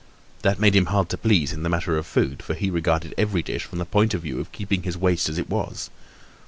That made him hard to please in the matter of food, for he regarded every dish from the point of view of keeping his waist as it was.